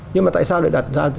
nhưng mà tại sao lại đặt ra